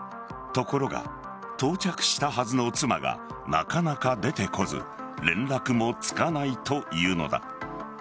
ところが、到着したはずの妻がなかなか出てこず連絡もつかないというのだ。